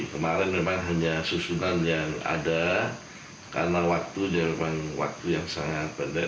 kemarin memang hanya susunan yang ada karena waktunya memang waktu yang sangat pendek